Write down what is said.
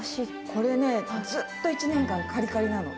これね、ずっと１年間、かりかりなの。